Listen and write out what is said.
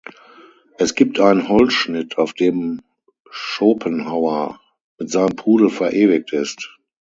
Es gibt einen Holzschnitt, auf dem Schopenhauer mit seinem Pudel verewigt ist.